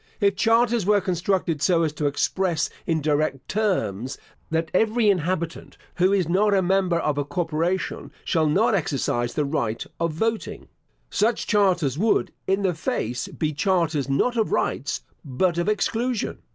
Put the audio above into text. If charters were constructed so as to express in direct terms, "that every inhabitant, who is not a member of a corporation, shall not exercise the right of voting," such charters would, in the face, be charters not of rights, but of exclusion.